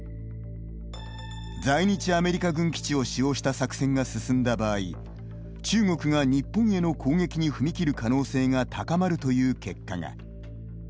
在日アメリカ軍基地を使用した作戦が進んだ場合中国が日本への攻撃に踏み切る可能性が高まるという結果が。